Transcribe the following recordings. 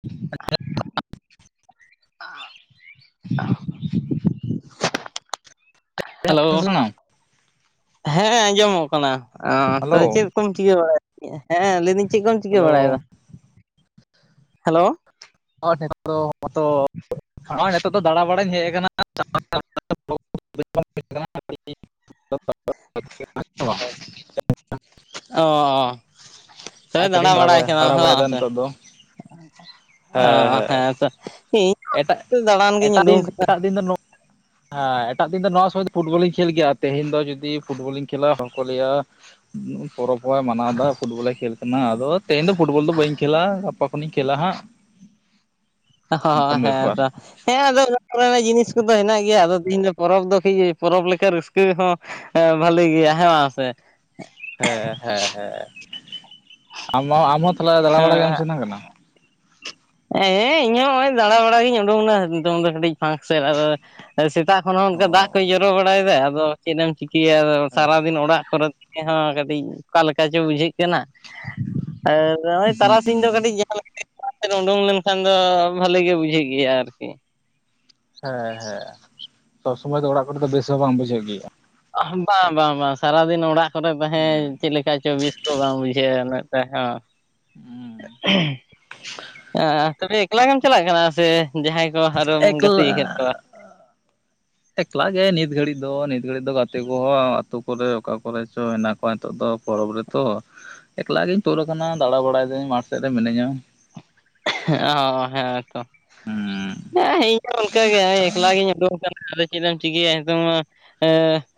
[inaudible] [unintelligible] Hello, ᱦᱮᱸ ᱟᱸᱡᱚᱢᱚᱜ ᱠᱟᱱᱟ ᱛᱚ ᱪᱮᱫ ᱠᱚᱢ ᱪᱤᱠᱟᱹ ᱵᱟᱲᱟᱭ ᱮᱫ ᱛᱟᱹᱦᱤᱡ ᱟ ᱦᱮᱸ ᱞᱟᱹᱭ ᱫᱤᱧ ᱪᱮᱫ ᱠᱚᱢ ᱪᱤᱠᱟᱹ ᱵᱟᱲᱟᱭ ᱦᱮᱞᱳ ᱮᱫᱟ᱾ ᱦᱮᱞᱳ, [inaudible] ᱦᱚᱸ ᱱᱤᱛᱚᱜ ᱫᱚ ᱫᱟᱲᱟ ᱵᱟᱲᱟᱧ ᱦᱮᱡ ᱟᱠᱟᱱᱟ᱾ ᱚ ᱥᱮ ᱟᱨ ᱠᱟᱹᱴᱤᱡ ᱫᱟᱲᱟ ᱤᱧ ᱫᱟᱬᱟ ᱵᱟᱲᱟᱭ ᱵᱟᱲᱟ ᱠᱟᱱᱟ ᱫᱟᱬᱟ ᱦᱮᱸ ᱵᱟᱝ ᱵᱟᱲᱟᱭᱮᱫᱟ ᱥᱮ᱾ ᱱᱤᱛᱚᱜ ᱫᱚ ᱚ ᱦᱮᱸ ᱛᱚ [inaudible] ᱫᱟᱬᱟᱱ ᱜᱤᱧ ᱮᱴᱟᱜ ᱩᱰᱩᱝ ᱫᱤᱱ ᱠᱟᱱᱟ ᱮᱴᱟᱜ ᱫᱤᱱ ᱫᱚ ᱱᱚ- ᱦᱮᱸ ᱮᱴᱟᱜ ᱫᱤᱱ ᱫᱚ ᱱᱚᱣᱟ ᱥᱚᱢᱚᱭ ᱫᱚ ᱮ ᱮ ᱮ ᱮᱴᱟᱜ ᱫᱤᱱ ᱫᱚ ᱱᱚᱣᱟ ᱥᱚᱢᱚᱭ ᱫᱚ ᱯᱷᱩᱴᱵᱚᱞᱤᱧ ᱠᱷᱮᱞ ᱜᱮᱭᱟ᱾ ᱛᱮᱦᱮᱧ ᱫᱚ ᱡᱩᱫᱤ ᱯᱷᱩᱴᱵᱚᱞᱤᱧ ᱠᱷᱮᱞᱟ ᱦᱚᱲ ᱠᱚ ᱞᱟᱹᱭᱟ ᱯᱚᱨᱚᱵᱽ ᱦᱚᱸ ᱟᱭ ᱢᱟᱱᱟᱣ ᱮᱫᱟ ᱯᱷᱩᱴᱵᱚᱞᱮ ᱠᱷᱮᱞ ᱠᱟᱱᱟ᱾ ᱟᱫᱚ ᱛᱮᱦᱮᱧ ᱫᱚ ᱯᱷᱩᱴᱵᱚᱞ ᱫᱚ ᱵᱟᱹᱧ ᱠᱷᱮᱞᱟ ᱜᱟᱯᱟ ᱠᱷᱮᱞᱟ ᱦᱟᱸᱜ᱾ ᱦᱳ ᱚᱱᱠᱟᱱ ᱦᱮᱸ ᱵᱮᱯᱟᱨ ᱛᱚ ᱦᱮᱸ ᱟᱫᱚ ᱠᱚᱨᱮᱱᱟᱜ ᱡᱤᱱᱤᱥ ᱠᱚᱫᱚ ᱦᱮᱱᱟᱜ ᱜᱮᱭᱟ ᱟᱫᱚ ᱛᱤᱦᱤᱧ ᱫᱚ ᱯᱚᱨᱚᱵᱽ ᱫᱚ ᱠᱟᱹᱡ ᱯᱚᱨᱚᱵᱽ ᱞᱮᱠᱟ ᱨᱟᱹᱥᱠᱟᱹ ᱦᱚᱸ ᱦᱮᱸ ᱵᱷᱟᱞᱤ ᱜᱮᱭᱟ ᱦᱮᱸ ᱥᱮ᱾ ᱦᱮᱸ ᱦᱮᱸ ᱦᱮᱸ ᱟᱢ ᱟᱢ ᱦᱚᱸ ᱛᱟᱦᱚᱞᱮ ᱫᱟᱲᱟ ᱵᱟᱲᱟ ᱜᱮᱢ ᱥᱮᱱ ᱟᱠᱚᱢ᱾ ᱮᱸ ᱤᱧ ᱦᱚᱸ ᱱᱚᱜᱚᱭ ᱫᱟᱬᱟ ᱵᱟᱲᱟᱜ ᱜᱤᱧ ᱩᱰᱩᱠ ᱱᱟ ᱱᱤᱛᱚᱝ ᱫᱚ ᱠᱟᱹᱴᱤᱡ ᱯᱷᱟᱠ ᱥᱮᱫ ᱟᱨ ᱥᱮᱛᱟᱜ ᱠᱷᱚᱱ ᱦᱚᱸ ᱚ ᱚᱱᱠᱟ ᱫᱟᱜ ᱠᱚᱭ ᱡᱚᱨᱚ ᱵᱟᱲᱟᱭᱮᱫᱟ ᱟᱫᱚ ᱪᱮᱫ ᱮᱢ ᱪᱤᱠᱟᱹᱭᱟ ᱟᱫᱚ᱾ ᱦᱮᱸ ᱥᱟᱨᱟᱫᱤᱱ ᱚᱲᱟᱜ ᱠᱚᱨᱮ ᱠᱟᱹᱴᱤᱡ ᱚᱠᱟ ᱞᱮᱠᱟ ᱪᱚ ᱵᱩᱡᱷᱟᱹᱜ ᱠᱟᱱᱟ᱾ ᱟᱨ ᱱᱚᱜ-ᱚᱭ ᱛᱟᱨᱟᱥᱤᱧ ᱫᱚ ᱠᱟᱹᱴᱤᱡ ᱡᱟᱸᱦᱟ ᱞᱮᱠᱟ ᱜᱮ᱾ ᱚᱰᱩᱝ ᱞᱮᱱᱠᱷᱟᱱ ᱫᱚ ᱵᱷᱟᱞᱤ ᱜᱮ ᱵᱩᱡᱷᱟᱹᱜ ᱜᱮᱭᱟ ᱟᱨᱠᱤ᱾ ᱦᱮᱸ ᱦᱮᱸ ᱥᱚᱵ ᱥᱚᱢᱚᱭ ᱫᱚ ᱚᱲᱟᱜ ᱠᱚᱨᱮ ᱫᱚ ᱵᱮᱥ ᱦᱚᱸ ᱵᱟᱝ ᱵᱩᱡᱷᱟᱹᱜ ᱜᱮᱭᱟ᱾ ᱵᱟᱝ ᱵᱟᱝ ᱵᱟᱝ ᱥᱟᱨᱟᱫᱤᱱ ᱫᱚ ᱚᱲᱟᱜ ᱠᱚᱨᱮ ᱛᱟᱦᱮᱸ ᱦᱩᱸ ᱪᱮᱫ ᱞᱮᱠᱟ ᱪᱚ ᱵᱮᱥ ᱛᱚ ᱵᱟᱝ ᱵᱩᱡᱷᱟᱹᱜᱼᱟ ᱩᱱᱟᱹᱜ ᱴᱟᱜ ᱦᱚᱸ᱾ ᱦᱩᱸ ᱦᱚᱸ ᱛᱚᱵᱮ ᱮᱠᱞᱟ ᱜᱮᱢ ᱪᱟᱞᱟᱜ ᱠᱟᱱᱟ ᱥᱮ ᱡᱟᱦᱟᱸᱭ ᱠᱚ ᱟᱨᱦᱚᱢ ᱮᱠᱞᱟ ᱜᱟᱛᱮ ᱟᱠᱟᱫ ᱠᱚᱣᱟ᱾ ᱮᱠᱞᱟ ᱜᱮ ᱱᱤᱛ ᱜᱷᱟᱹᱲᱤᱡ ᱫᱚ ᱱᱤᱛ ᱜᱷᱟᱹᱲᱤᱡ ᱫᱚ ᱜᱟᱛᱮ ᱠᱚᱦᱚᱸ᱾ ᱛᱚ ᱯᱚᱨᱮ ᱚᱠᱟ ᱠᱚᱨᱮ ᱪᱚ ᱢᱮᱱᱟᱜ ᱠᱚᱣᱟ ᱱᱤᱛᱚᱜ ᱫᱚ ᱯᱚᱨᱚᱵᱽ ᱨᱮᱛᱚ, ᱮᱠᱞᱟ ᱜᱤᱧ ᱛᱳᱫ ᱟᱠᱟᱱᱟ ᱫᱟᱬᱟ ᱵᱟᱲᱟᱭ ᱫᱟᱹᱧ ᱢᱟᱴᱷ ᱥᱮᱫ ᱨᱮ ᱢᱤᱱᱟᱹᱧᱟ, ᱚ ᱦᱮᱸ ᱛᱚᱻ ᱦᱩᱸ ᱦᱮᱸ ᱤᱧᱦᱚ ᱚᱱᱠᱟᱜᱮ ᱱᱚᱜ-ᱚᱭ ᱮᱠᱞᱟ ᱜᱤᱧ ᱩᱰᱩᱠ ᱟᱠᱟᱱᱟ ᱟᱫᱚ ᱪᱮᱫ ᱮᱢ ᱪᱤᱠᱟᱹᱭᱟ ᱱᱤᱛᱚᱝ ᱢᱟ᱾ ᱮᱸ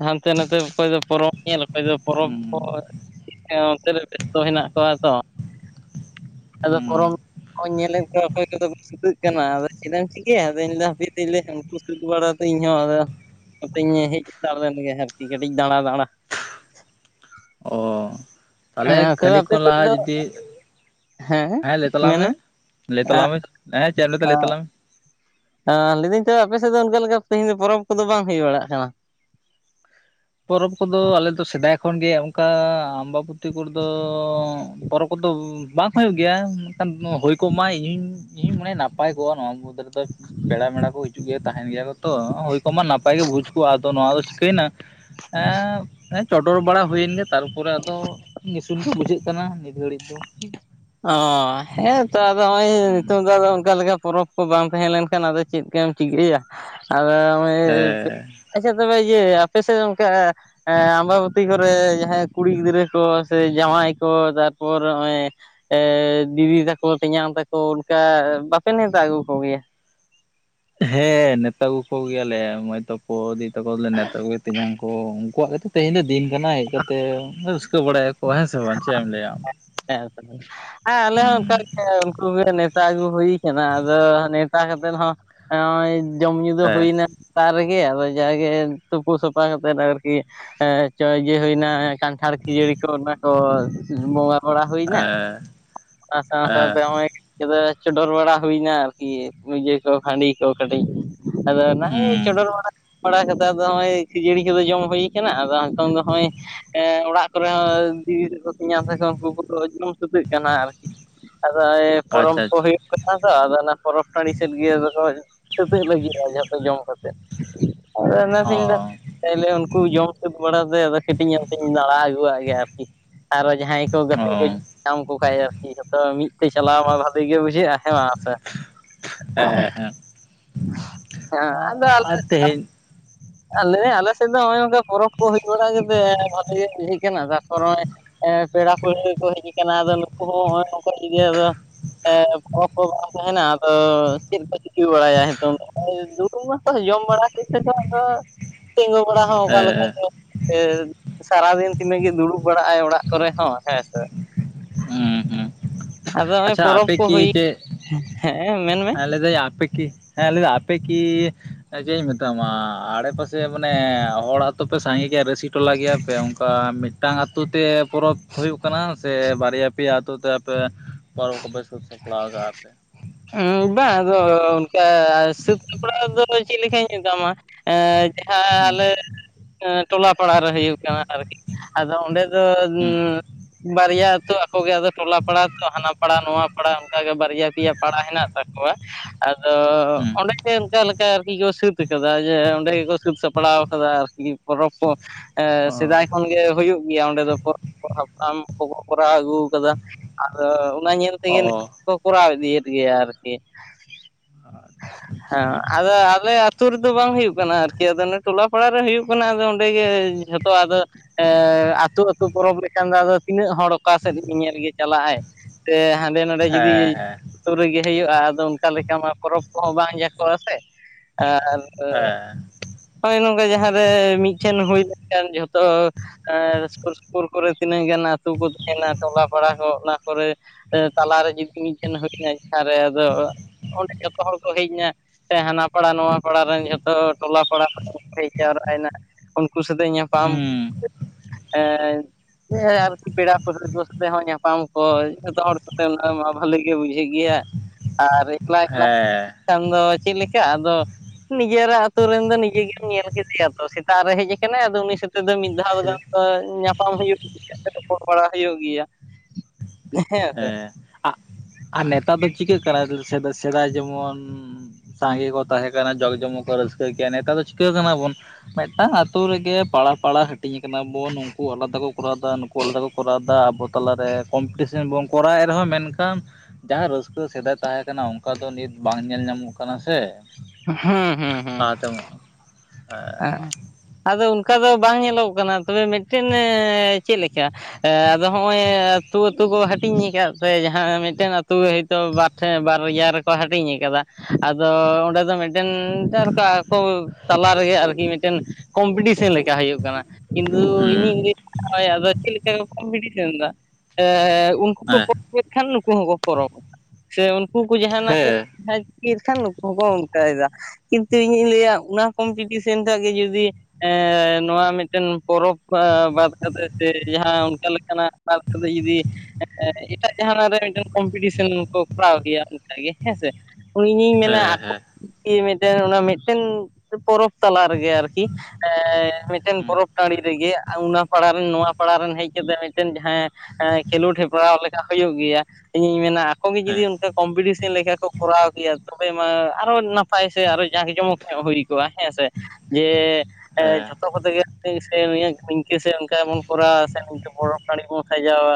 ᱦᱟᱱᱛᱮ ᱱᱟᱛᱮ ᱚᱠᱚᱭ ᱫᱚ ᱯᱚᱨᱚᱵᱽ ᱧᱮᱞ ᱚᱠᱚᱭ ᱫᱚ ᱯᱚᱨᱚᱵᱽ ᱦᱩᱸ ᱠᱚ ᱦᱮᱸ ᱚᱱᱛᱮ ᱨᱮ ᱵᱮᱥᱛᱚ ᱦᱮᱱᱟᱜ ᱠᱚᱣᱟ ᱛᱚ ᱟᱫᱚ ᱦᱩᱸ ᱠᱚᱨᱚᱱ ᱚᱸ ᱧᱮᱞᱮᱫ ᱜᱮᱭᱟ ᱚᱠᱚᱭ ᱠᱚ ᱫᱚ᱾ ᱥᱩᱛᱟᱹᱜ ᱠᱟᱱᱟ ᱟᱫᱚ ᱪᱮᱫᱮᱢ ᱪᱷᱤᱠᱟᱹᱭ‌ᱟ ᱟᱫᱚᱧ ᱞᱟᱹᱭᱫᱟ ᱦᱟᱯᱮ ᱛᱟᱦᱮᱞᱮ ᱩᱱᱠᱩ ᱥᱟᱹᱛ ᱵᱟᱲᱟ ᱛᱮ ᱤᱧᱦᱚ ᱟᱫᱚ᱾ ᱱᱚᱛᱮᱧ ᱦᱮᱡ ᱦᱟᱛᱟᱲ ᱞᱮᱱᱜᱮ ᱟᱨᱠᱤ ᱠᱟᱹᱴᱤᱡ ᱫᱟᱬᱟ ᱫᱟᱬᱟ᱾ ᱚ ᱛᱟᱦᱞᱮ ᱦᱮᱸ ᱛᱚᱵᱮ ᱠᱷᱟᱹᱱᱤ ᱟᱯᱮ ᱠᱷᱚᱱ ᱥᱮᱫ ᱞᱟᱦᱟ ᱫᱚ ᱡᱩᱫᱤ, ᱦᱮᱸ ᱞᱟᱹᱭ ᱛᱟᱞᱟᱝ ᱢᱮ ᱢᱮᱱᱢᱮ ᱞᱟᱹᱭ ᱛᱟᱞᱟᱝ ᱢᱮ ᱦᱮᱸ ᱪᱮᱫ ᱮᱢ ᱞᱟᱹᱭᱮᱫᱟ ᱞᱟᱹᱭ ᱛᱟᱞᱟᱝ ᱢᱮ, ᱦᱮᱸ ᱞᱟᱹᱭᱮᱫᱟᱹᱧ ᱛᱚᱵᱮ ᱟᱯᱮ ᱥᱮᱫ ᱫᱚ ᱚᱱᱠᱟ ᱞᱮᱠᱟ ᱛᱮᱦᱮᱧ ᱫᱚ ᱯᱚᱨᱚᱵᱽ ᱠᱚᱫᱚ ᱵᱟᱝ ᱦᱩᱭ ᱵᱟᱲᱟᱜ ᱠᱟᱱᱟ᱾ ᱯᱚᱨᱚᱵᱽ ᱠᱚᱫᱚ ᱟᱞᱮ ᱫᱚ ᱥᱮᱫᱟᱭ ᱠᱷᱚᱱᱜᱮ ᱚᱱᱠᱟ᱾ ᱵᱟᱵᱩ ᱛᱮᱠᱚᱲ ᱫᱚ ᱯᱚᱨᱚᱵᱽ ᱠᱚᱫᱚ ᱵᱟᱝ ᱦᱩᱭᱩᱜ ᱜᱮᱭᱟ, ᱠᱷᱟᱱ ᱦᱩᱭ ᱠᱚᱜ ᱢᱟ ᱤᱧ ᱤᱧᱤᱧ ᱢᱚᱱᱮ ᱱᱟᱯᱟᱭ ᱠᱚᱜᱼᱟ ᱱᱚᱣᱟ ᱢᱩᱫᱽ ᱨᱮᱫᱚ ᱯᱮᱲᱟ ᱢᱮᱲᱟ ᱠᱚ ᱦᱤᱡᱩᱜ ᱜᱮᱭᱟ, ᱛᱟᱦᱮᱱ ᱜᱮᱭᱟ ᱠᱚ ᱛᱚ ᱦᱩᱭ ᱠᱚᱜᱢᱟ ᱱᱟᱯᱟᱭ ᱜᱮ ᱵᱩᱡᱽ ᱠᱚᱜᱼᱟ ᱟᱫᱚ ᱱᱚᱣᱟ ᱫᱚ ᱪᱤᱠᱟᱹᱭᱮᱱᱟ, ᱮᱸ ᱪᱚᱰᱚᱨ ᱵᱟᱲᱟ ᱦᱩᱭᱮᱱ ᱜᱮ ᱛᱟᱨᱯᱚᱨᱮ ᱟᱫᱚ, ᱱᱤᱥᱩᱱ ᱜᱮ ᱵᱩᱡᱷᱟᱹᱜ ᱠᱟᱱᱟ ᱱᱤᱛ ᱜᱷᱟᱹᱲᱤᱡ ᱫᱚ, [inaudible] ᱚᱻ ᱦᱮᱸ ᱛᱚ ᱟᱫᱚ ᱱᱚᱜᱼᱚᱭ ᱦᱩᱸ ᱱᱤᱛᱚᱝ ᱫᱚ ᱚᱱᱠᱟ ᱞᱮᱠᱟ ᱯᱚᱨᱚᱵᱽ ᱠᱚ ᱵᱟᱝ ᱛᱟᱦᱮᱸ ᱞᱮᱱᱠᱷᱟᱱ ᱟᱫᱚ ᱪᱮᱫ ᱠᱚᱭᱟᱢ ᱪᱤᱠᱟᱹᱭᱟ ᱟᱫᱚ ᱮᱻ ᱦᱮᱸ ᱟᱪᱪᱷᱟ ᱛᱚᱵᱮ ᱤᱭᱟᱹ ᱟᱯᱮ ᱥᱮᱫ ᱚᱱᱠᱟ᱾ ᱟᱢᱵᱟᱵᱛᱤ ᱠᱚᱨᱮ ᱡᱟᱦᱟᱸᱭ ᱠᱩᱲᱤ ᱜᱤᱫᱽᱨᱟᱹ ᱠᱚ ᱥᱮ ᱡᱟᱶᱟᱭ ᱠᱚ ᱛᱟᱨᱯᱚᱨ᱾ ᱱᱚᱜᱼᱚᱭ ᱮ ᱫᱤᱫᱤ ᱛᱟᱠᱚ ᱛᱮᱧᱟᱝ ᱛᱟᱠᱚ ᱚᱱᱠᱟ ᱵᱟᱯᱮ ᱱᱮᱣᱛᱟ ᱟᱹᱜᱩ ᱠᱚᱜᱮᱭᱟ, ᱦᱮᱸ ᱱᱮᱶᱛᱟ ᱟᱜᱩ ᱠᱚᱜᱮ ᱭᱟᱞᱮ ᱢᱟᱹᱭ ᱛᱟᱠᱚ ᱫᱤ ᱛᱟᱠᱚ ᱫᱚᱞᱮ ᱱᱮᱶᱛᱟ ᱟᱜᱩᱭᱮᱫ ᱛᱮᱧᱟᱝ ᱠᱚ ᱩᱱᱠᱩᱣᱟᱜ ᱜᱮᱛᱚ ᱛᱮᱦᱮᱧ ᱫᱚ ᱫᱤᱱ ᱠᱟᱱᱟ᱾ ᱦᱮᱡ ᱠᱟᱛᱮ ᱨᱟᱹᱥᱠᱟᱹ ᱵᱟᱲᱟᱭᱟ ᱠᱚ, ᱠᱚ ᱦᱮᱸᱥᱮ ᱵᱟᱝ ᱪᱮᱫ ᱮᱢ ᱞᱟᱭᱟ ᱟᱢ, ᱦᱮᱸ ᱛᱟᱦᱞᱮ, ᱦᱮᱸ ᱟᱞᱮ ᱦᱚᱸ ᱚᱱᱠᱟ ᱜᱮ ᱩᱱᱠᱩᱜᱮ ᱱᱮᱶᱛᱟ ᱟᱹᱜᱩ ᱦᱩᱭ ᱠᱟᱱᱟ ᱟᱫᱚ ᱱᱮᱶᱛᱟ ᱠᱟᱛᱮ ᱦᱚᱸ ᱱᱚᱜᱚᱭᱻ ᱡᱚᱢ ᱧᱩ ᱫᱚ ᱦᱮᱸ ᱦᱩᱭᱱᱟ ᱥᱮᱛᱟᱜ ᱨᱮᱜᱮ ᱟᱫᱚ ᱡᱟᱜᱮ ᱛᱩᱯᱩ ᱥᱟᱯᱷᱟ ᱠᱟᱛᱮᱫ ᱟᱨᱠᱤ, ᱦᱮᱸ ᱪᱚ ᱤᱭᱟ. ᱦᱩᱭᱱᱟ ᱠᱟᱱᱴᱷᱟᱲ ᱠᱷᱤᱡᱟᱹᱲᱤ ᱠᱚ ᱚᱱᱟ ᱠᱚ ᱵᱚᱸᱜᱟ ᱵᱚᱸᱜᱟ ᱵᱟᱲᱟ ᱦᱩᱭ ᱮᱱᱟ ᱦᱮᱸ ᱚᱱᱟ ᱥᱟᱶ ᱥᱟᱶᱛᱮ ᱦᱮᱸ ᱱᱚᱜ-ᱚᱭ᱾ ᱪᱚᱰᱚᱨ ᱵᱟᱲᱟ ᱦᱩᱭᱱᱟ ᱟᱨᱠᱤ ᱤᱭᱟ. ᱦᱟᱺᱰᱤ ᱠᱚ ᱠᱟᱹᱴᱤᱡ, ᱟᱫᱚ ᱚᱱᱟᱜᱮ ᱦᱩᱸ ᱪᱚᱰᱚᱨ ᱵᱟᱲᱟ, ᱵᱟᱲᱟ ᱠᱟᱛᱮ ᱟᱫᱚ ᱱᱚᱜᱚᱭ ᱠᱷᱟᱹᱡᱟᱲᱤ ᱠᱚᱫᱚ ᱡᱚᱢ ᱦᱩᱭ ᱠᱟᱱᱟ ᱟᱫᱚ ᱱᱤᱛᱚᱝ ᱫᱚ ᱦᱚᱸᱜᱚᱭ ᱚᱲᱟᱜ ᱠᱚᱨᱮ ᱦᱚᱸ ᱫᱤᱫᱤ ᱛᱟᱠᱚ ᱛᱮᱧᱟᱝ ᱛᱟᱠᱚ᱾ ᱩᱱᱠᱩ ᱠᱚ ᱡᱚᱢ ᱥᱟᱹᱛᱟᱹᱜ ᱠᱟᱱᱟ ᱟᱨᱠᱤ ᱟᱫᱚ ᱟᱪᱪᱷᱟ ᱯᱷᱚᱨᱚᱵᱽ ᱠᱚ ᱟᱪᱪᱷᱟ ᱦᱩᱭᱩᱜ ᱠᱟᱱᱟ᱾ ᱟᱫᱚ ᱟᱫᱚ ᱚᱱᱟ ᱯᱚᱨᱚᱵᱽ ᱴᱟᱺᱰᱤ ᱥᱮᱫ ᱜᱮ ᱟᱫᱚ ᱠᱚ ᱥᱟᱹᱛᱟᱹᱜ ᱞᱟᱹᱜᱤᱫᱼᱟ ᱡᱚᱛᱚ ᱡᱚᱢ ᱠᱟᱛᱮᱫ᱾ ᱚ [inaudible] ᱛᱟᱦᱚᱞᱮ ᱩᱱᱠᱩ ᱡᱚᱢ ᱥᱟᱹᱛ ᱵᱟᱲᱟ ᱛᱮ ᱟᱫᱚ ᱠᱟᱹᱴᱤᱡ ᱧᱚᱜ ᱚᱱᱛᱮ ᱫᱟᱬᱟ ᱟᱹᱜᱩᱣᱟᱜ ᱜᱮ ᱟᱨᱠᱤ ᱟᱨᱚ ᱡᱟᱦᱟᱸᱭᱼᱼ ᱜᱟᱛᱮ ᱚ ᱠᱚ ᱧᱟᱢ ᱠᱚ ᱠᱷᱟ ᱟᱨᱠᱤ ᱡᱚᱛᱚ ᱢᱤᱫ ᱛᱮ ᱪᱟᱞᱟᱣ ᱢᱟ ᱵᱷᱟᱜᱤ ᱜᱮ ᱵᱩᱡᱷᱟᱹᱜᱼᱟ ᱦᱮᱸ ᱵᱟᱝ ᱥᱮ᱾ ᱦᱮᱸ ᱦᱮᱸ ᱟᱫᱚ ᱟᱞᱮ ᱦᱮᱸ ᱛᱮᱦᱮᱧᱼᱼ ᱟᱞᱮ ᱟᱞᱮ ᱥᱮᱫ ᱫᱚ ᱱᱚᱜᱼᱚᱭ ᱱᱚᱝᱠᱟ ᱯᱚᱨᱚᱵᱽ ᱠᱚ ᱦᱩᱭ ᱵᱟᱲᱟᱜ ᱜᱮᱛᱮ ᱵᱷᱟᱜᱤ ᱵᱩᱡᱩᱜ ᱠᱟᱱᱟ ᱛᱟᱨᱯᱚᱨ ᱱᱚᱜ-ᱚᱭᱼᱼ ᱯᱮᱲᱟ ᱯᱟᱹᱲᱦᱟᱹ ᱠᱚ ᱦᱮᱡ ᱟᱠᱟᱱᱟ ᱟᱫᱚ ᱱᱩᱠᱩ ᱦᱚᱸ ᱱᱚᱜ ᱱᱚᱝᱠᱟ ᱜᱮ ᱟᱫᱚ᱾ ᱵᱚ ᱠᱚ ᱵᱟᱝ ᱛᱟᱦᱮᱱᱟ ᱟᱫᱚ ᱪᱮᱫ ᱠᱚ ᱪᱤᱠᱟᱹ ᱵᱟᱲᱟᱭᱟ ᱱᱤᱛᱳ ᱫᱚᱼᱼ ᱩ ᱢᱟᱠᱚ ᱡᱚᱢ ᱵᱟᱲᱟ ᱠᱮᱫ ᱛᱮᱠᱚ ᱟᱫᱚ ᱛᱤᱸᱜᱩ ᱵᱟᱲᱟ ᱦᱚᱸ ᱚᱠᱟ ᱞᱮᱠᱟ ᱦᱮᱸ ᱪᱚ᱾ ᱥᱟᱨᱟ ᱫᱤᱱ ᱛᱤᱱᱟᱹᱜ ᱜᱮ ᱫᱩᱲᱩᱵ ᱵᱟᱲᱟᱜ ᱟᱭ ᱚᱲᱟᱜ ᱠᱚᱨᱮ ᱦᱚᱸ ᱦᱮᱸ ᱥᱮ᱾ ᱦᱮᱸ ᱦᱮᱸ᱾ ᱟᱫᱚ ᱱᱚᱜᱼᱚᱭ ᱟᱪᱪᱷᱟ ᱯᱚᱨᱚᱵᱽ ᱠᱚ ᱟᱯᱮᱠᱤ ᱦᱩᱭ ᱪᱮᱜ ᱦᱮᱸ ᱢᱮᱱᱢᱮ ᱟᱯᱮᱼᱼ ᱠᱤ ᱦᱮᱸ ᱞᱟᱹᱭᱮᱫᱟ ᱟᱯᱮ ᱠᱤ ᱪᱮᱫ ᱤᱧ ᱢᱮᱛᱟᱢᱟ ᱟᱲᱮ ᱯᱟᱥᱮ ᱢᱟᱱᱮ ᱦᱚᱲᱼᱼ ᱛᱚ ᱯᱮ ᱥᱟᱸᱜᱮ ᱜᱮᱭᱟ ᱨᱟᱹᱥᱤ ᱴᱚᱞᱟ ᱜᱮᱭᱟᱯᱮ ᱚᱱᱠᱟ ᱢᱤᱫᱼᱼ ᱢᱤᱫᱴᱟᱝ ᱟᱛᱳ ᱛᱮ ᱯᱚᱨᱚᱵᱽ ᱦᱩᱭᱩᱜ ᱠᱟᱱᱟ ᱥᱮ ᱵᱟᱨᱭᱟ ᱯᱮᱭᱟ ᱟᱹᱛᱩ ᱛᱮ ᱟᱯᱮ ᱯᱚᱨᱚᱵᱽ ᱠᱚᱯᱮᱼᱼ ᱥᱟᱹᱛ ᱥᱟᱯᱲᱟᱣ ᱮᱫᱟ ᱼᱼ ᱦᱩ ᱵᱟᱝ ᱟᱫᱚ ᱚᱱᱠᱟ ᱥᱟᱹᱛ ᱥᱟᱯᱲᱟᱣ ᱫᱚ ᱪᱮᱫ ᱞᱮᱠᱟᱧ ᱢᱮᱛᱟᱢᱟ᱾ ᱡᱟᱦᱟᱸ ᱦᱩᱸ ᱟᱞᱮ ᱴᱚᱞᱟ ᱯᱟᱲᱟ ᱨᱮ ᱦᱩᱭᱩᱜ ᱠᱟᱱᱟ ᱟᱨᱠᱤ᱾ ᱟᱫᱚ ᱚᱸᱰᱮ ᱫᱚᱼᱼ ᱦᱩᱸ ᱵᱟᱨᱭᱟ ᱟᱹᱛᱩ ᱟᱠᱚ ᱜᱮ ᱟᱫᱚ ᱴᱚᱞᱟ ᱯᱟᱲᱟᱚ ᱦᱟᱱᱟ ᱯᱟᱲᱟ ᱱᱚᱣᱟᱼᱼ ᱚᱱᱠᱟᱜᱮ ᱵᱟᱨᱭᱟ ᱯᱮᱭᱟ ᱯᱟᱲᱟ ᱦᱮᱱᱟᱜ ᱛᱟᱠᱚᱣᱟ ᱟᱫᱚ ᱦᱩᱸ ᱚᱸᱰᱮ ᱜᱮ ᱚᱱᱠᱟ ᱞᱮᱠᱟᱼᱼ ᱟᱨᱠᱤ ᱠᱚ ᱥᱟᱹᱛ ᱠᱟᱫᱟ ᱡᱮ ᱚᱸᱰᱮ ᱜᱮᱠᱚ ᱥᱟᱹᱛ ᱥᱟᱯᱲᱟᱣ ᱟᱠᱟᱫᱟ ᱟᱨᱠᱤ ᱯᱚᱨᱚᱵᱽ ᱠᱚᱼᱼ ᱥᱮᱫᱟᱭ ᱠᱷᱚᱱᱜᱮ ᱦᱩᱭᱩᱜ᱾ ᱜᱮᱭᱟ ᱚᱸᱰᱮ ᱫᱚ ᱦᱟᱯᱲᱟᱢ ᱠᱚᱠᱚ ᱠᱚᱨᱟᱣ ᱟᱹᱜᱩ ᱟᱠᱟᱫᱟ ᱟᱫᱚ ᱚᱱᱟ ᱧᱮᱞ ᱛᱮᱜᱮᱼᱼ ᱚ ᱚ ᱠᱚ ᱠᱚᱨᱟᱣ ᱤᱫᱤᱭᱮᱫ ᱜᱮᱭᱟ ᱟᱨᱠᱤᱼᱼ ᱟᱪᱪᱷᱟ᱾ ᱟᱪᱪᱷᱟ ᱦᱮᱸ ᱟᱫᱚ ᱟᱞᱮ ᱟᱞᱮ ᱟᱹᱛᱩ ᱨᱮᱫᱚ ᱵᱟᱝ ᱦᱩᱭᱩᱜ ᱠᱟᱱᱟ ᱟᱨᱠᱤ ᱟᱫᱚ ᱴᱚᱞᱟ ᱯᱟᱲᱟ ᱨᱮ ᱦᱩᱭᱩᱜ ᱠᱟᱱᱟ ᱟᱫᱚ ᱚᱸᱰᱮ ᱜᱮ ᱡᱷᱚᱛᱼᱼ ᱛᱚ ᱟᱫᱚ ᱟᱹᱛᱩ ᱯᱚᱨᱚᱵᱽ ᱞᱮᱠᱟᱱ ᱫᱚ ᱟᱫᱚ ᱛᱤᱱᱟᱹᱜ ᱦᱚᱲ ᱚᱠᱟ ᱥᱮᱫ ᱜᱮ ᱧᱮᱞ ᱜᱮ ᱪᱟᱞᱟᱜᱼᱟᱭ᱾ ᱛᱮ ᱦᱟᱸᱰᱮ ᱱᱟᱰᱮ ᱦᱮᱸ ᱦᱮᱸ ᱡᱩᱫᱤᱼᱼ ᱟᱹᱛᱩ ᱨᱮᱜᱮ ᱦᱩᱭᱩᱜᱼᱟ ᱟᱫᱚ ᱚᱱᱠᱟ ᱞᱮᱠᱟ ᱢᱟ ᱯᱚᱨᱚᱵᱽ ᱠᱚᱦᱚᱸ ᱵᱟᱝ ᱡᱟᱠᱚᱜᱼᱟ ᱥᱮ ᱟᱨᱼᱼ ᱦᱮᱸ᱾ ᱱᱚᱜ-ᱚᱭ ᱱᱚᱝᱠᱟ ᱡᱟᱦᱟᱸᱨᱮ ᱢᱤᱫᱴᱷᱮᱱ ᱦᱩᱭ ᱞᱮᱱᱠᱷᱟᱱ ᱡᱷᱚᱛᱚᱼᱼ ᱟᱨ ᱥᱩᱨ ᱥᱩᱯᱩᱨ ᱠᱚᱨᱮ ᱛᱤᱱᱟᱹᱜ ᱜᱟᱱ ᱟᱹᱛᱩ ᱠᱚ ᱛᱟᱦᱮᱱᱟ ᱴᱚᱞᱟ ᱯᱟᱲᱟ ᱠᱚ ᱚᱱᱟ ᱠᱚᱨᱮᱼᱼ ᱛᱟᱞᱟᱨᱮ ᱡᱩᱫᱤ ᱢᱤᱫᱴᱮᱱ ᱦᱩᱭᱱᱟ ᱡᱟᱦᱟᱸᱮ ᱟᱫᱚᱼᱼ ᱚᱸᱰᱮ ᱡᱚᱛᱚ ᱦᱚᱲ ᱠᱚ ᱦᱮᱡ ᱮᱱᱟ ᱥᱮ ᱦᱟᱱᱟ ᱯᱟᱲᱟ ᱱᱚᱣᱟ ᱯᱟᱲᱟ ᱨᱮᱱ ᱡᱷᱚᱛᱚ ᱴᱚᱞᱟᱼᱼ ᱠᱚᱲᱟ ᱠᱚ ᱦᱮᱡ ᱡᱟᱣᱨᱟᱜ ᱭᱮᱱᱟ ᱩᱱᱠᱩ ᱥᱟᱛᱮ ᱧᱟᱯᱟᱢ, ᱦᱩᱸ ᱦᱮᱸ ᱟᱨᱠᱤ ᱯᱮᱲᱟ ᱯᱟᱹᱲᱦᱟᱹ ᱠᱚ ᱥᱟᱛᱮᱜ ᱦᱚᱸ ᱧᱟᱯᱟᱢ ᱠᱚ ᱡᱚᱛᱚ ᱦᱚᱲ ᱥᱟᱛᱮ ᱩᱱᱟᱹᱜ ᱢᱟ ᱵᱟᱹᱟᱞᱤ ᱜᱮ ᱵᱩᱡᱷᱟᱹᱜ ᱜᱮᱭᱟ᱾ ᱟᱨ ᱮᱠᱞᱟᱠᱞᱟ ᱦᱮᱸ ᱠᱷᱟᱱ ᱫᱚ ᱪᱮᱫᱞᱮ ᱞᱮᱠᱟ ᱟᱫᱚ ᱱᱤᱡᱮᱨᱟᱜ ᱟᱹᱛᱩ ᱨᱮᱱᱼᱼ ᱱᱤᱡᱮ ᱜᱮᱢ ᱧᱮᱞ ᱠᱮᱫᱮᱭᱟ ᱛᱚ ᱥᱮᱛᱟᱜ ᱨᱮ ᱦᱮᱡ ᱟᱠᱟᱱᱟᱭ ᱟᱫᱚ ᱩᱱᱤ ᱥᱟᱛᱮ ᱫᱚ ᱢᱤᱫ ᱫᱷᱟᱣ ᱜᱟᱱᱫᱚ ᱧᱟᱯᱟᱢ ᱦᱩᱭᱩᱜ ᱨᱚᱯᱚᱲ ᱵᱟᱲᱟ ᱦᱩᱭᱩᱜ ᱜᱮᱭᱟ ᱦᱮᱸ ᱥᱮ᱾ ᱟᱨ ᱱᱮᱛᱟᱨ ᱫᱚ ᱪᱤᱠᱟᱹᱜ ᱠᱟᱱᱟ ᱥᱮᱫᱟᱭ ᱡᱮᱢᱚᱱᱼᱼ ᱥᱟᱸᱜᱮ ᱠᱚ ᱛᱟᱦᱮᱸ ᱠᱟᱱᱟ ᱡᱚᱠ ᱡᱚᱢᱚᱠ ᱠᱚ ᱨᱟᱹᱥᱠᱟᱹ ᱠᱮᱭᱟ ᱱᱮᱛᱟᱨ ᱫᱚ ᱪᱤᱠᱟᱹ ᱠᱟᱱᱟ ᱵᱚᱱ᱾ ᱢᱤᱫᱴᱟᱝ ᱟᱛᱳ ᱨᱮᱜᱮ ᱯᱟᱲᱟ ᱯᱟᱲᱟ ᱦᱟᱹᱴᱤᱧ ᱠᱟᱱᱟ ᱵᱚᱱ ᱱᱩᱠᱩ ᱟᱞᱟᱫᱟ ᱠᱚ ᱠᱚᱨᱟᱣᱮᱫᱟ ᱱᱩᱼᱼ ᱠᱳᱞ ᱫᱟᱠᱚ ᱠᱚᱨᱟᱣᱫᱟ ᱟᱵᱚ ᱛᱟᱞᱟᱨᱮ ᱠᱚᱢᱯᱤᱴᱤᱥᱮᱱ ᱵᱚᱱ ᱠᱚᱨᱟᱣᱮᱫ ᱨᱮᱦᱚᱸ ᱢᱮᱱᱠᱷᱟᱱ ᱡᱟᱦᱟᱸ ᱨᱟᱹᱥᱠᱟᱹ ᱥᱮᱫᱟᱭ ᱛᱟᱦᱮᱸ ᱠᱟᱱᱟ ᱚᱝᱠᱟ ᱫᱚ ᱱᱤᱛ ᱵᱟᱝ ᱧᱮᱞ ᱧᱟᱢᱚᱜ ᱠᱟᱱᱟ ᱥᱮ᱾ ᱦᱩᱸ ᱦᱩᱸ ᱦᱩᱸ᱾ ᱞᱟᱦᱟᱛᱮ ᱦᱮᱸ ᱦᱮᱸ ᱟᱫᱚ ᱚᱱᱠᱟ ᱫᱚ ᱵᱟᱝ ᱧᱮᱞᱚᱜ ᱠᱟᱱᱟ ᱛᱚᱵᱮ ᱢᱤᱫᱴᱮᱱ ᱪᱮᱫ ᱞᱮᱠᱟ ᱮᱸ ᱟᱫᱚ ᱦᱚᱸᱜᱼᱚᱭ ᱟᱹᱛᱩ ᱟᱹᱛᱩ ᱠᱚ ᱦᱟᱹᱴᱤᱧ ᱠᱟᱫ ᱛᱮ ᱡᱟᱦᱟᱸ ᱢᱤᱫᱴᱮᱱ ᱟᱹᱛᱩ ᱦᱚᱭᱛᱳ ᱵᱟᱨ ᱴᱷᱮ ᱵᱟᱨᱭᱟ ᱨᱮᱠᱚ ᱦᱟᱹᱴᱤᱧ ᱠᱟᱫᱟ᱾ ᱟᱫᱚ ᱚᱸᱰᱮ ᱫᱚ ᱢᱤᱫᱴᱮᱱ ᱚᱱᱠᱟ ᱞᱮᱠᱟ ᱠᱚ ᱛᱟᱞᱟ ᱨᱮᱜᱮ ᱟᱨᱠᱤ ᱢᱤᱫᱴᱮᱱ ᱠᱚᱢᱯᱤᱴᱤᱥᱮᱱ ᱞᱮᱠᱟ ᱦᱩᱭᱩᱜ ᱠᱟᱱᱟ᱾ ᱠᱤᱱᱛᱩ ᱤᱧᱤᱧ ᱞᱮ ᱦᱳᱭ ᱟᱫᱚ ᱪᱮᱫ ᱞᱮᱠᱟ ᱠᱚᱢᱯᱤᱴᱤᱥᱚᱱ ᱫᱟ ᱥᱮ ᱩᱱᱠᱩ ᱠᱚ ᱦᱮᱸ ᱯᱚᱨᱚᱵᱮᱫ ᱠᱷᱟᱱ ᱱᱩᱠᱩ ᱦᱚᱸᱠᱚ ᱯᱚᱨᱚᱵᱼᱟ ᱥᱮ ᱩᱱ ᱱᱩᱠᱩ ᱠᱚ ᱡᱟᱦᱟᱸᱱᱟᱜ ᱦᱮᱸ ᱠᱚ ᱡᱟᱦᱟᱸ ᱪᱤᱠᱟᱹ ᱞᱮᱠᱷᱟᱱ ᱱᱩᱠᱩ ᱦᱚᱸᱠᱚ ᱚᱱᱠᱟᱭᱮᱫᱟ ᱠᱤᱱᱛᱩ ᱤᱧᱤᱧ ᱞᱟᱹᱭᱟ ᱚᱱᱟ ᱠᱚᱢᱯᱤᱴᱤᱥᱮᱱ ᱴᱟᱜ ᱜᱮ ᱡᱩᱫᱤ ᱦᱮᱸ ᱱᱚᱣᱟ ᱢᱤᱫᱴᱮᱱ ᱯᱚᱨᱚᱵ ᱵᱟᱛ ᱠᱟᱛᱮ ᱡᱮ ᱡᱟᱦᱟᱸ ᱚᱱᱠᱟ ᱞᱮ ᱠᱟᱱᱟ [unintelligible] ᱡᱩᱫᱤ ᱦᱮᱸ ᱮᱴᱟᱜ ᱡᱟᱦᱟᱸ ᱠᱚᱢᱯᱤᱴᱤᱥᱮᱱ ᱠᱚ ᱠᱚᱨᱟᱣ ᱜᱮᱭᱟ ᱦᱮᱸᱥᱮ᱾ ᱤᱧᱤᱧ ᱢᱮᱱᱟ ᱦᱮᱸ ᱟᱠᱚ ᱢᱤᱫᱴᱮᱱ ᱚᱱᱟ ᱢᱤᱫᱴᱮᱱ ᱯᱚᱨᱚᱵᱽ ᱛᱟᱞᱟ ᱨᱮᱜᱮ ᱟᱨᱠᱤ, ᱮᱸ ᱢᱤᱫᱴᱮᱱ ᱯᱚᱨᱚᱵ ᱴᱟᱺᱤ ᱨᱮᱜᱮ ᱚᱱᱟ ᱯᱟᱲᱟᱮᱱ ᱱᱚᱣᱟ ᱯᱟᱲᱟᱮᱱ ᱦᱮᱡ ᱠᱟᱛᱮᱜ ᱢᱤᱫᱴᱮᱱ ᱡᱟᱦᱟᱸᱭ ᱮᱸ ᱠᱷᱮᱞᱳᱰ ᱦᱮᱯᱮᱨᱟᱣ ᱞᱮᱠᱟ ᱦᱩᱭᱩᱜ ᱜᱮᱭᱟ, ᱤᱧᱤᱧ ᱢᱮᱱᱟ ᱟᱠᱚ ᱜᱮ ᱡᱩᱫᱤ ᱦᱮᱸ ᱚᱱᱠᱟ ᱠᱚᱢᱯᱤᱴᱤᱥᱮᱱ ᱞᱮᱠᱟ ᱠᱚ ᱠᱚᱨᱟᱣ ᱜᱮᱭᱟ ᱛᱚᱵᱮ ᱢᱟ ᱟᱨᱚ ᱱᱟ ᱱᱟᱯᱟᱭ ᱥᱮ ᱟᱨᱚ ᱡᱟᱜᱮ ᱡᱚᱢᱚᱠ ᱧᱚᱜ ᱦᱩᱭ ᱠᱚᱜᱼᱟ ᱦᱮᱸᱥᱮ, ᱡᱮ ᱮᱸ ᱦᱮᱸ ᱡᱷᱚᱛᱚ ᱠᱚᱛᱮ ᱜᱮ ᱥᱮ ᱱᱤᱝᱠᱟᱹ ᱥᱮ ᱚᱱᱠᱟ ᱵᱚᱱ ᱠᱚᱨᱟᱣᱟ ᱥᱮ ᱱᱤᱝᱠᱟᱹ ᱵᱚᱨᱚ ᱱᱟᱲᱤ ᱵᱚᱱ ᱥᱟᱡᱟᱣᱟ,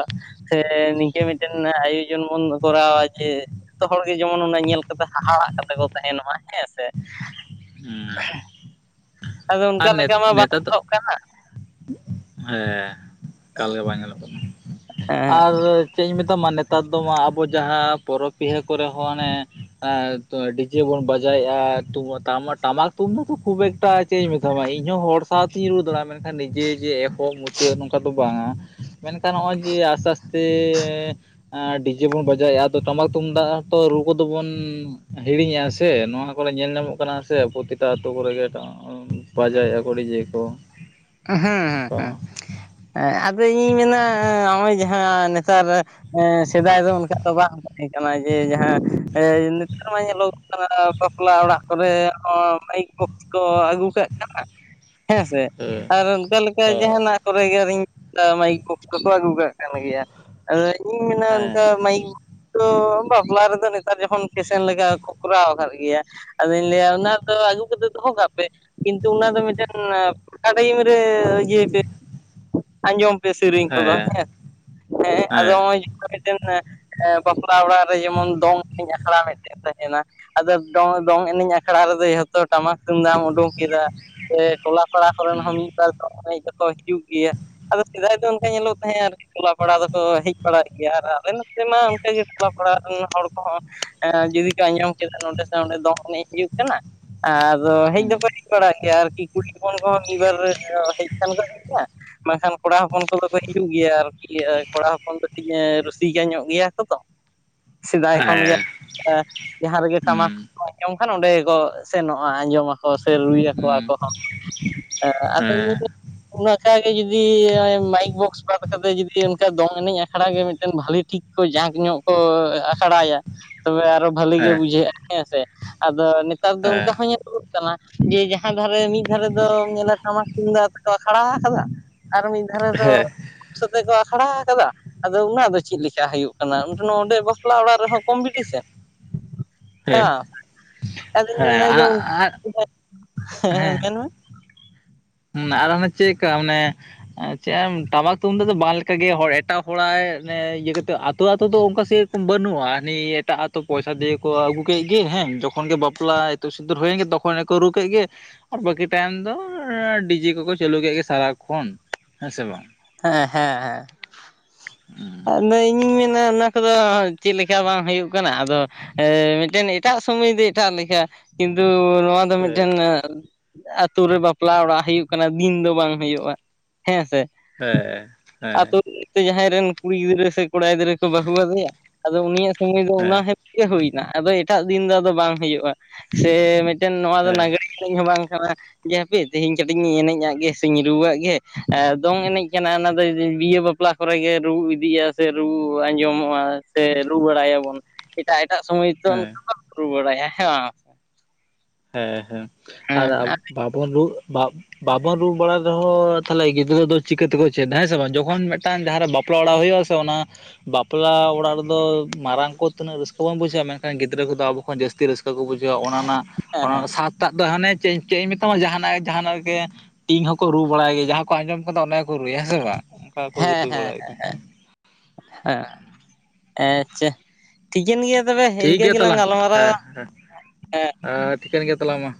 ᱥᱮ ᱱᱤᱝᱠᱟᱹ ᱢᱤᱫᱴᱮᱱ ᱟᱭᱳᱡᱚᱱ ᱵᱚᱱ ᱠᱚᱨᱟᱣᱟ ᱡᱮ ᱡᱷᱚᱛᱚ ᱦᱚᱲᱜᱮ ᱡᱮᱢᱚᱱ ᱚᱱᱟ ᱧᱮᱞ ᱠᱟᱛᱮ ᱦᱟᱦᱟᱲᱟᱜ ᱠᱟᱛᱮ ᱠᱚ ᱛᱟᱦᱮᱸᱱ ᱢᱟ ᱦᱮᱸᱥᱮ᱾ ᱦᱩᱸ [inaudible] ᱟᱫᱚ ᱚᱱᱠᱟ ᱟᱨ ᱱᱮᱛ ᱞᱮᱠᱟ ᱢᱟ ᱵᱟᱝ ᱱᱮᱛᱟᱨ ᱫᱚ ᱜᱟᱱᱚᱜ ᱠᱟᱱᱟ᱾ ᱦᱮᱸ ᱮᱠᱟᱞᱜᱮ ᱵᱟᱭ ᱧᱮᱞᱚᱜ ᱠᱟᱱᱟ᱾ ᱦᱮᱸ ᱟᱨ ᱪᱮᱫ ᱤᱧ ᱢᱮᱛᱟᱢᱟ ᱱᱮᱛᱟᱨ ᱫᱚ ᱢᱟ ᱟᱵᱚ ᱡᱟᱦᱟᱸ ᱯᱚᱨᱚᱵᱽ ᱯᱤᱦᱟᱹ ᱠᱚᱨᱮ ᱦᱚᱸ ᱚᱱᱮ ᱮ ᱰᱤᱡᱮ ᱵᱚᱱ ᱵᱟᱡᱟᱭᱮᱫᱼᱟ ᱛᱚᱵᱮ ᱴᱟᱢᱟᱠ ᱛᱩᱵᱩ ᱛᱚ ᱠᱷᱩᱵ ᱮᱠᱴᱟ ᱪᱮᱫ ᱤᱧ ᱢᱮᱛᱟᱢᱟ ᱤᱧᱦᱚᱸ ᱦᱚᱲ ᱥᱟᱶᱛᱮᱧ ᱨᱩ ᱫᱟᱲᱮᱭᱟᱜᱼᱟ ᱢᱮᱱᱠᱷᱟᱱ ᱱᱤᱡᱮ ᱡᱮ ᱮᱠ ᱠᱚ ᱢᱩᱪᱟᱹᱫ ᱱᱚᱝᱠᱟ ᱫᱚ ᱵᱟᱝᱟ ᱢᱮᱱᱠᱷᱟᱱ ᱱᱚᱜᱼᱚᱭ ᱡᱮ ᱟᱥᱛᱮ ᱟᱥᱛᱮ ᱰᱤᱡᱮ ᱵᱚᱱ ᱵᱟᱡᱟᱣᱮᱫᱼᱟ, ᱟᱫᱚ ᱴᱟᱢᱟᱠ ᱛᱩᱢᱫᱟᱜ ᱛᱚ ᱨᱩ ᱠᱚᱫᱚ ᱵᱚᱱ ᱦᱤᱲᱤᱧᱮᱫᱼᱟ ᱥᱮ? ᱱᱚᱣᱟ ᱠᱚᱚᱨᱮ ᱧᱮᱞ ᱧᱟᱢᱚᱜ ᱠᱟᱱᱟ ᱥᱮ ᱟᱯᱚᱛᱤᱛᱟ ᱟᱹᱛᱩᱳ ᱠᱚᱨᱮᱜᱮ ᱵᱟᱸᱡᱟᱭᱮᱫᱼᱟᱠᱚ ᱰᱤᱡᱮ ᱠᱚ᱾ ᱮᱸ ᱦᱮᱸ ᱠᱚ ᱦᱮᱸ᱾ ᱮᱸ ᱟᱫᱚ ᱤᱧᱤᱧ ᱢᱮᱱᱟ ᱱᱚᱜᱼᱚᱭ ᱡᱟᱦᱟᱸ ᱱᱮᱛᱟᱨ ᱥᱮᱫᱟᱭ ᱫᱚ ᱚᱱᱠᱟ ᱫᱚ ᱵᱟᱝ ᱛᱟᱦᱮᱸ ᱠᱟᱱᱟ ᱡᱮ ᱡᱟᱦᱟᱸ ᱱᱮᱛᱟᱨ ᱢᱟ ᱧᱮᱞᱚᱜ ᱠᱟᱱᱟ ᱵᱟᱯᱞᱟ ᱚᱲᱟᱜ ᱠᱚᱨᱮ ᱚ ᱢᱟᱭᱤᱠ ᱵᱚᱠᱥ ᱠᱚ ᱟᱹᱜᱩ ᱠᱟᱜ ᱠᱟᱱᱟ ᱦᱮᱸᱥᱮ? ᱮ ᱟᱨ ᱚᱱᱠᱟ ᱞᱮᱠᱟ ᱮ ᱡᱟᱦᱟᱸᱱᱟᱜ ᱠᱚᱨᱮ ᱜᱮ ᱟᱨ ᱢᱟᱭᱤᱠ ᱠᱚᱠᱚ ᱟᱹᱜᱩ ᱠᱟᱜ ᱠᱟᱱ ᱜᱮᱭᱟ᱾ ᱟᱫᱚ ᱤᱧ ᱢᱮᱱᱟ ᱚᱱᱠᱟ ᱦᱮᱸ ᱢᱟᱭᱤᱠ ᱛᱚ ᱵᱟᱯᱞᱟ ᱨᱮᱫᱚ ᱱᱮᱛᱟᱨ ᱡᱚᱠᱷᱚᱱ ᱯᱷᱮᱥᱮᱱ ᱞᱮᱠᱟ ᱠᱚᱨᱟᱣ ᱠᱟᱫ ᱜᱮᱭᱟ, ᱟᱫᱚᱧ ᱞᱟᱹᱭᱟ ᱚᱱᱟ ᱫᱚ ᱟᱹᱜᱩ ᱠᱟᱛᱮᱫ ᱫᱚᱦᱚ ᱠᱟᱜ ᱯᱮ ᱠᱤᱱᱛᱩ ᱚᱱᱟ ᱫᱚ ᱢᱤᱫᱴᱮᱱ ᱚᱱᱟ ᱴᱟᱭᱤᱢ ᱨᱮ ᱤᱭᱟᱹ ᱯᱮ ᱟᱸᱡᱚᱢ ᱯᱮ ᱥᱮᱨᱮᱧ ᱠᱚᱫᱚ ᱦᱮᱸ ᱦᱮᱸ ᱟᱫᱚ ᱱᱚᱜᱼᱚᱭ ᱢᱤᱫᱴᱮᱱ ᱦᱮᱸ ᱵᱟᱯᱞᱟ ᱚᱲᱟᱜ ᱨᱮ ᱡᱮᱢᱚᱱ ᱫᱚᱝ ᱤᱧ ᱟᱠᱷᱲᱟ ᱢᱤᱫᱴᱮᱱ ᱛᱟᱦᱮᱸᱱᱟ᱾ ᱟᱫᱚ ᱫᱚᱝ ᱫᱚᱝ ᱮᱱᱮᱡ ᱟᱠᱷᱲᱟ ᱨᱮᱫᱚ ᱡᱷᱚᱛᱚ ᱴᱟᱢᱟᱠ ᱛᱩᱢᱫᱟᱜᱟᱢ ᱩᱰᱩᱠ ᱠᱮᱫᱟ, ᱥᱮ ᱴᱚᱞᱟ ᱯᱟᱲᱟ ᱠᱚᱨᱮᱱ ᱦᱩᱸ ᱦᱚᱸ ᱢᱤᱫ ᱵᱟᱨ ᱮᱱᱮᱡ ᱫᱚᱠᱚ ᱦᱤᱡᱩᱜ ᱜᱮᱭᱟ, ᱟᱫᱚ ᱥᱮᱫᱟᱭ ᱫᱚ ᱚᱱᱠᱟ ᱧᱮᱞᱚᱜ ᱛᱟᱦᱮᱸᱜ ᱴᱚᱞᱟ-ᱯᱟᱲᱟ ᱫᱚᱠᱚ ᱦᱮᱡ ᱵᱟᱲᱟᱭᱮᱱ ᱜᱮᱭᱟ ᱟᱨ ᱟᱞᱮ ᱱᱚᱛᱮ ᱢᱟ ᱚᱱᱠᱟᱜᱮ ᱴᱚᱞᱟ-ᱯᱟᱲᱟ ᱨᱮᱱ ᱦᱚᱲ ᱠᱚᱦᱚᱸᱼᱼ [unintelligible] ᱡᱩᱫᱤ ᱠᱚ ᱟᱸᱡᱚᱢ ᱠᱮᱫᱟ ᱱᱚᱰᱮ ᱥᱮ ᱚᱸᱰᱮ ᱫᱚᱝ ᱮᱱᱮᱡ ᱦᱩᱭᱩᱜ ᱠᱟᱱᱟ᱾ [unintelligible] ᱟᱫᱚ ᱦᱮᱡ ᱦᱩᱸ ᱫᱚᱠᱚ ᱦᱮᱡ ᱵᱟᱲᱟᱟᱜ ᱜᱮᱭᱟ ᱟᱨᱠᱤ ᱠᱩᱲᱤ ᱦᱚᱯᱚᱱᱼᱼ [unintelligible] ᱢᱤᱫ ᱵᱟᱨ ᱦᱮᱡ [unintelligible] ᱟᱠᱟᱱ [unintelligible] ᱜᱮᱭᱟ᱾ ᱵᱟᱝᱠᱷᱟᱱ ᱠᱚᱲᱟ ᱦᱚᱯᱚᱱ ᱠᱚᱫᱚ ᱠᱚ ᱦᱤᱡᱩᱜ ᱜᱮᱭᱟ ᱟᱨᱠᱤ [unintelligible] ᱠᱚᱲᱟ ᱦᱚᱯᱚᱱ ᱫᱚ ᱠᱟᱹᱴᱤᱦ ᱨᱩᱥᱤᱠᱟ ᱧᱚᱜ ᱜᱮᱭᱟ ᱠᱚᱛᱚ᱾ ᱥᱮᱫᱟᱭ ᱠᱷᱚᱱᱜᱮ ᱦᱮᱸ [unintelligible] ᱡᱟᱦᱟᱸ ᱨᱮᱜᱮ ᱦᱩᱸ ᱴᱟᱢᱟᱠᱼᱼ ᱟᱸᱡᱚᱢ ᱠᱷᱟᱱ ᱚᱸᱰᱮ ᱜᱮᱠᱚ ᱥᱮᱱᱚᱜᱼᱟ᱾ ᱟᱸᱡᱚᱢᱟᱠᱚ ᱥᱮ ᱨᱩᱭᱟᱠᱚ ᱦᱩᱸ ᱟᱠᱚ ᱦᱚᱸ ᱾ ᱦᱮᱸ ᱟᱫᱚ [unintelligible] ᱚᱱᱮ ᱚᱱᱠᱟ ᱜᱮ ᱡᱩᱫᱤ ᱢᱟᱭᱤᱠ ᱵᱚᱠᱥ ᱵᱟᱫ ᱠᱟᱛᱮ ᱡᱩᱫᱤ ᱚᱱᱠᱟ ᱫᱚᱝ ᱮᱱᱮᱡ ᱟᱠᱷᱲᱟ ᱜᱮ ᱢᱤᱫᱴᱮᱱ ᱵᱷᱟᱹᱞᱤ ᱴᱷᱤᱠ᱾ [unintelligible] ᱡᱟᱸᱠ ᱧᱚᱜ ᱠᱚ ᱟᱠᱷᱲᱟᱭᱟ ᱛᱚᱵᱮ ᱟᱨᱚ ᱵᱷᱟᱹᱞᱤ ᱜᱮ ᱦᱮᱸ ᱵᱩᱡᱷᱟᱹᱜᱼᱟ ᱦᱮᱸ ᱥᱮ᱾ ᱟᱫᱚ ᱱᱮᱛᱟᱨ ᱫᱚ ᱚᱱᱠᱟ ᱦᱚᱸ ᱧᱮᱞᱚᱜ ᱠᱟᱱᱟ ᱡᱮ ᱡᱟᱦᱟᱸ ᱫᱷᱟᱨᱮ ᱢᱤᱫ ᱫᱷᱟᱨᱮᱼᱼ ᱟᱫᱚ ᱧᱮᱞᱟ ᱴᱟᱢᱟᱠ-ᱛᱩᱢᱫᱟᱜ ᱛᱮᱠᱚ ᱟᱠᱷᱲᱟ ᱟᱠᱟᱫᱟ ᱟᱨ ᱢᱤᱫ ᱫᱷᱟᱨᱮ ᱫᱚᱼᱼ ᱦᱮᱸ ᱦᱮᱸ ᱥᱟᱛᱮ ᱠᱚ ᱟᱠᱷᱲᱟ ᱟᱠᱟᱫᱟ᱾ ᱟᱫᱚ ᱚᱱᱟ ᱫᱚ ᱪᱮᱫ ᱞᱮᱠᱟ ᱦᱩᱭᱩᱜ ᱠᱟᱱᱟ [unintelligible] ᱚᱸᱰᱮ ᱵᱟᱯᱞᱟ ᱚᱲᱟᱜ ᱨᱮᱦᱚᱸ ᱠᱚᱢᱯᱤᱴᱤᱥᱮᱱ᱾ [unintelligible] ᱦᱮᱸ [inaudible] ᱦᱮᱸ ᱟᱨ ᱟᱨ ᱦᱮᱸ ᱢᱮᱱ ᱢᱮ᱾ [unintelligible] ᱟᱨ ᱚᱱᱮ ᱪᱮᱫ ᱞᱮᱠᱟ ᱢᱟᱱᱮ ᱼᱼ [unintelligible] ᱪᱮᱫ ᱴᱟᱢᱟᱠ-ᱛᱩᱢᱫᱟᱜ ᱫᱚ ᱵᱟᱝ ᱞᱮᱠᱟᱜᱮ ᱦᱚᱲ ᱮᱴᱟᱜ ᱦᱚᱲᱟᱜ [unintelligible] ᱤᱭᱟᱹ ᱠᱟᱛᱮ ᱟᱛᱳ-ᱟᱛᱳ ᱫᱚ ᱚᱱᱠᱟ ᱥᱮᱼᱼ ᱵᱟᱹᱱᱩᱜᱼᱟ, ᱦᱟᱹᱱᱤ ᱮᱴᱟᱜ ᱟᱛᱳ ᱯᱚᱭᱥᱟ ᱫᱤᱭᱮ ᱠᱚ ᱟᱹᱜᱩ ᱠᱮᱫ ᱜᱮ ᱦᱮᱸ, ᱡᱚᱠᱷᱚᱱ ᱜᱮ ᱵᱟᱯᱞᱟᱼᱼ ᱤᱛᱩᱫ-ᱥᱤᱸᱫᱩᱨ ᱦᱩᱭᱮᱱ ᱜᱮ ᱛᱚᱠᱷᱚᱱ ᱜᱮᱠᱚ ᱨᱩᱻ ᱠᱮᱫ ᱜᱮ ᱟᱨ ᱵᱟᱹᱠᱤ ᱴᱟᱭᱤᱢ ᱫᱚ ᱰᱤᱼᱼ ᱰᱤᱡᱮ ᱠᱚᱠᱚ ᱪᱟᱹᱞᱩ ᱠᱮᱫ ᱜᱮ ᱥᱟᱨᱟᱠᱷᱚᱱ ᱦᱮᱸ ᱥᱮ ᱵᱟᱝ ᱾ ᱦᱮᱸ ᱦᱮᱸ ᱦᱮᱸ᱾ ᱦᱮᱸ ᱦᱮᱸ [unintelligible] ᱤᱼᱧᱤᱧ ᱢᱮᱱᱟ ᱚᱱᱟ ᱠᱚᱫᱚ [unintelligible] ᱪᱮᱫ ᱞᱮᱠᱟ ᱵᱟᱝ ᱦᱩᱭᱩᱜ ᱠᱟᱱᱟ ᱟᱫᱚᱼᱼ [unintelligible] ᱢᱤᱫᱴᱮᱱ ᱮᱴᱟᱜ ᱥᱚᱢᱚᱭ ᱫᱚ ᱮᱴᱟᱜ ᱞᱮᱠᱟ ᱠᱤᱱᱛᱩ ᱱᱚᱣᱟ ᱫᱚ ᱢᱤᱫᱴᱮᱱ [unintelligible] ᱟᱛᱩ ᱨᱮ ᱵᱟᱯᱞᱟ ᱚᱲᱟᱜ ᱦᱩᱭᱩᱜ ᱠᱟᱱᱟ ᱫᱤᱱ ᱫᱚ ᱵᱟᱝ ᱦᱩᱭᱩᱜᱼᱟ, ᱦᱮᱸ ᱥᱮ᱾ ᱦᱮᱸ ᱦᱮᱸ ᱾ ᱥᱮ ᱡᱟᱦᱟᱸᱭ ᱨᱮᱱ ᱠᱩᱲᱤ ᱜᱤᱫᱽᱨᱟᱹ ᱥᱮ ᱠᱚᱲᱟ ᱜᱤᱫᱽᱨᱟᱹ ᱠᱚ ᱵᱟᱹᱦᱩ ᱟᱫᱮᱭᱟ ᱟᱫᱚ ᱩᱱᱤᱭᱟᱜ ᱥᱚᱢᱚᱭ ᱫᱚ ᱦᱮᱸ ᱚᱱᱟ ᱦᱮᱞᱯ ᱜᱮ ᱦᱩᱭᱼᱼ ᱟᱫᱚ ᱮᱴᱟᱜ ᱫᱤᱱ ᱫᱚ ᱟᱫᱚ ᱵᱟᱝ ᱦᱩᱭᱩᱜᱼᱟ, ᱥᱮ ᱢᱤᱫᱴᱮᱱ ᱱᱚᱣᱟ ᱫᱚ ᱱᱟᱜᱽᱲᱮ [unintelligible] ᱦᱚᱸ ᱵᱟᱝ ᱠᱟᱱᱟ᱾ ᱡᱮ ᱦᱟᱯᱮ ᱛᱤᱦᱤᱧ ᱠᱟᱹᱴᱤᱡ ᱤᱧ ᱮᱱᱮᱡᱼᱟᱜ ᱜᱮ ᱥᱮᱧ ᱨᱩᱣᱟᱜ ᱜᱮ ᱟᱨ ᱫᱚᱝ ᱮᱱᱮᱡ ᱠᱟᱱᱟ ᱚᱱᱟ ᱫᱚ ᱵᱤᱦᱟᱹ ᱵᱟᱯᱞᱟ᱾ ᱠᱚᱨᱮ ᱜᱮ ᱨᱩᱻ [unintelligible] ᱤᱫᱤᱭᱟ ᱥᱮ ᱨᱩᱻ ᱟᱸᱡᱚᱢᱚᱜᱼᱟ ᱥᱮ ᱨᱩᱻ ᱵᱟᱲᱟᱭᱟᱵᱚᱱ ᱮᱴᱟᱜ-ᱮᱴᱟᱜ ᱥᱚᱢᱚᱭ ᱛᱚ ᱦᱮᱸ ᱚᱱᱠᱟᱼᱼ ᱨᱩᱻ ᱵᱟᱲᱟᱭᱟ ᱦᱮᱸ ᱥᱮ ᱵᱟᱝ᱾ ᱦᱮᱸ ᱦᱮᱸ ᱟᱨ ᱦᱮᱸ [unintelligible] ᱵᱟᱵᱚᱱ ᱨᱩᱻ [unintelligible] ᱵᱟᱵᱚᱱ ᱨᱩᱻ ᱵᱟᱲᱟᱭ ᱨᱮᱦᱚᱸ ᱛᱟᱦᱚᱞᱮ ᱜᱤᱫᱽᱨᱟᱹ ᱫᱚ ᱪᱤᱠᱟᱹ ᱛᱮᱠᱚ ᱪᱮᱫ ᱦᱮᱸ ᱥᱮ ᱵᱟᱝ ᱡᱚᱠᱷᱚᱱ ᱢᱤᱫᱴᱟᱝ ᱡᱟᱦᱟᱸ ᱨᱮ ᱵᱟᱯᱞᱟ ᱚᱲᱟᱜ ᱦᱩᱭᱩᱜᱼᱟᱼᱼ ᱛᱚ ᱚᱱᱟ ᱵᱟᱯᱞᱟ ᱚᱲᱟᱜ ᱨᱮᱫᱚ ᱢᱟᱨᱟᱝ ᱠᱚᱼᱼ ᱛᱤᱱᱟᱹᱜ ᱨᱟᱹᱥᱠᱟᱹ ᱵᱟᱝ ᱵᱩᱡᱷᱟᱹᱣᱜᱼᱟ ᱢᱮᱱᱠᱷᱟᱱ ᱜᱤᱫᱽᱨᱟᱹ ᱠᱚᱫᱚ ᱟᱵᱚ ᱠᱷᱚᱱ ᱡᱟᱹᱥᱛᱤ ᱨᱟᱹᱥᱠᱟᱹ ᱠᱚ ᱵᱩᱡᱷᱟᱹᱣᱟ ᱚᱱᱟ ᱨᱮᱱᱟᱜ ᱦᱮᱸ ᱦᱮᱸ ᱚᱱᱟ ᱥᱟᱛᱼᱼ ᱥᱮᱛᱟᱜ ᱫᱚ ᱦᱟᱱᱮ ᱪᱮᱫ ᱤᱧ ᱢᱮᱛᱟᱢᱟ ᱡᱟᱦᱟᱱᱟᱜ-ᱡᱟᱦᱟᱱᱟᱜ ᱜᱮ ᱴᱤᱝ ᱦᱚᱸᱠᱚ ᱨᱩᱻ ᱵᱟᱲᱟᱭ ᱜᱮᱭᱟ ᱡᱟᱦᱟᱸ ᱠᱚ ᱟᱸᱡᱚᱢ ᱠᱟᱫᱟ ᱚᱱᱟᱼᱼ ᱠᱚ ᱨᱩᱭᱟ ᱦᱮᱸ ᱥᱮ ᱵᱟᱝ ᱚᱱᱠᱟ ᱠᱚ ᱨᱩᱻ ᱦᱮᱸ ᱦᱮᱸ ᱵᱟᱲᱟᱭ᱾ ᱦᱮᱸ, ᱟᱪᱪᱷᱟ ᱴᱷᱤᱠᱟᱹᱱ ᱜᱮᱭᱟ ᱛᱚᱵᱮ ᱴᱷᱤᱠ ᱤᱱᱠᱟᱹ ᱜᱮᱭᱟ ᱜᱮᱞᱟᱝ ᱛᱟᱞᱟᱝ ᱦᱮᱸ ᱜᱟᱞᱢᱟᱨᱟᱣᱟ᱾ ᱦᱮᱸ ᱮ [unintelligible] ᱴᱷᱤᱠᱟᱹᱱ ᱜᱮᱭᱟ ᱛᱟᱞᱟᱝ ᱢᱟ᱾